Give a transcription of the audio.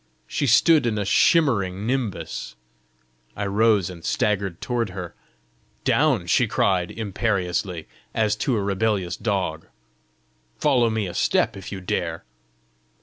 she stood in a shimmering nimbus! I rose and staggered toward her. "Down!" she cried imperiously, as to a rebellious dog. "Follow me a step if you dare!"